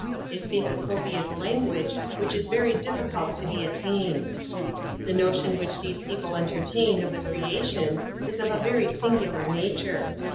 They speak a copious language, which is very difficult to be attained. The notion which these people entertain of the creation, is of a very singular nature.